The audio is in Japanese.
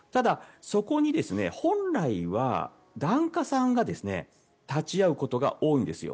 そこに本来は檀家さんが立ち会うことが多いんですよ。